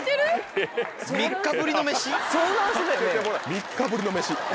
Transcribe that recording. ３日ぶりの飯。